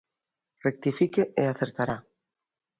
Rectifique e acertará.